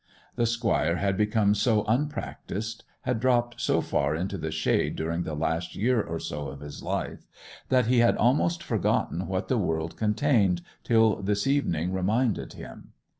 The squire had become so unpractised, had dropped so far into the shade during the last year or so of his life, that he had almost forgotten what the world contained till this evening reminded him.